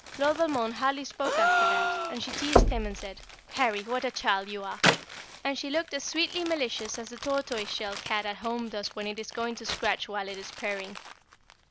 Lord Valmond hardly spoke after that, and she teased him and said: "Harry, what a child you are!" and she looked as sweetly malicious as the tortoise shell cat at home does when it is going to scratch while it is purring.